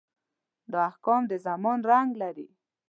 دا احکام د زمان رنګ لري.